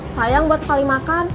sayang buat sekali makan